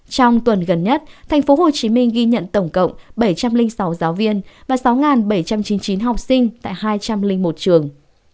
trong tuần gần nhất tp hcm ghi nhận tổng cộng bảy trăm linh sáu giáo viên và sáu bảy trăm chín mươi chín học sinh tại hai trăm linh một trường